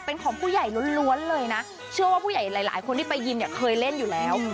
เป็นของผู้ใหญ่ล้วนเลยนะเชื่อว่าผู้ใหญ่หลายคนที่ไปยินเนี่ยเคยเล่นอยู่แล้ว